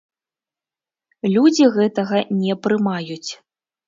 Людзі гэтага не прымаюць.